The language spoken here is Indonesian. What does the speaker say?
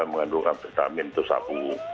mengandung amfetamin atau sabu